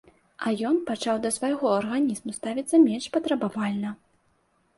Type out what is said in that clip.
А ён пачаў да свайго арганізму ставіцца менш патрабавальна.